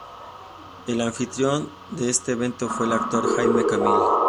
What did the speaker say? El anfitrión de este evento fue el actor Jaime Camil.